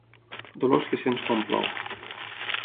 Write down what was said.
Dolors que sents quan plou.